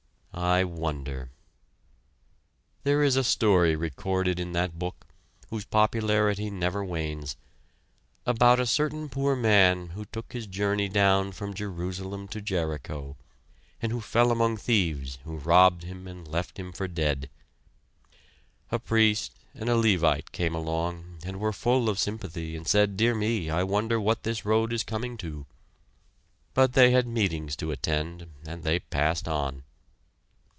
I wonder! There is a story recorded in that book, whose popularity never wanes, about a certain poor man who took his journey down from Jerusalem to Jericho, and who fell among thieves who robbed him and left him for dead. A priest and a Levite came along and were full of sympathy, and said: "Dear me! I wonder what this road is coming to!" But they had meetings to attend and they passed on.